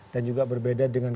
dan juga berbeda dengan